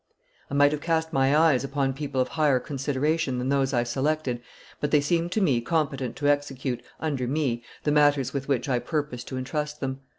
I might have cast my eyes upon people of higher consideration than those I selected, but they seemed to me competent to execute, under me, the matters with which I purposed to intrust them.